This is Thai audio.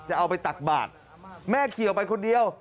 จะเอาไปตักบาทแม่เขียวไปคนเดียว